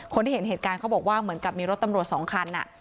คนที่เห็นเหตุการณ์เขาบอกว่าเหมือนกับมีรถตำรวจสองคัน